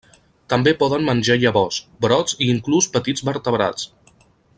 També poden menjar llavors, brots i inclús petits vertebrats.